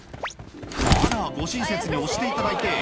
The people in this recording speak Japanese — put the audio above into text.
「あらご親切に押していただいて」